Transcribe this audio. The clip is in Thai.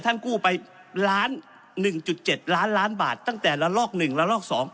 ท่านกู้ไปล้านหนึ่งจุดเจ็ดล้านล้านบาทตั้งแต่ละลอกหนึ่งละลอกสอง